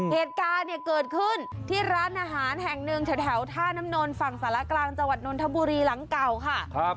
เหตุการณ์เนี่ยเกิดขึ้นที่ร้านอาหารแห่งหนึ่งแถวท่าน้ำนนฝั่งสารกลางจังหวัดนนทบุรีหลังเก่าค่ะ